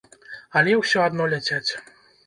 Але ўсё адно ляцяць.